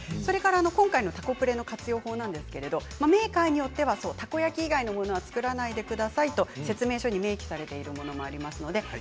今回のたこプレの活用法ですがメーカーによってはたこ焼き以外のものは作らないでくださいと説明書に明記されているものがあります。